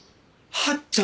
八っちゃん！